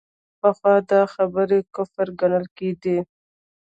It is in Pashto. پخوا دا خبرې کفر ګڼل کېدې.